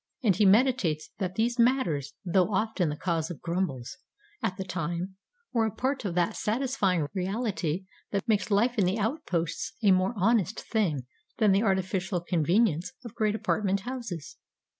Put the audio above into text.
And he meditates that these matters, though often the cause of grumbles at the time, were a part of that satisfying reality that makes life in the outposts a more honest thing than the artificial convenience of great apartment houses.